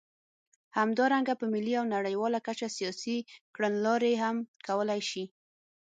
همدارنګه په ملي او نړیواله کچه سیاسي کړنلارې هم کولای شي.